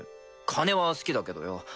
金は好きだけどよ。